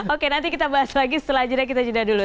oke nanti kita bahas lagi setelah jeda kita jeda dulu